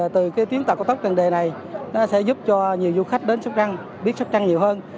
từ tuyến tàu cao tốc trần đề này nó sẽ giúp cho nhiều du khách đến sóc trăng biết sóc trăng nhiều hơn